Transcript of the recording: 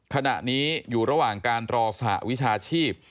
ขณะนี้อยู่ระหว่างการรอสหวิชาชีพ